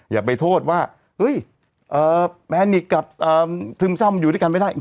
อย่าไปโทษว่าเฮ้ยแพนิกกับซึมซ่ำอยู่ด้วยกันไม่ได้